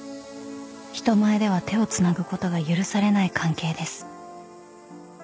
人前では手をつなぐことが許されない関係です］